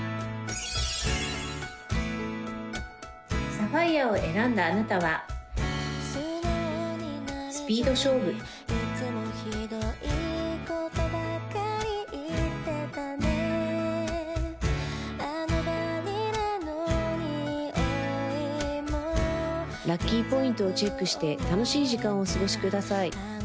サファイヤを選んだあなたはスピード勝負ラッキーポイントをチェックして楽しい時間をお過ごしください